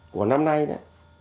của năm nay đấy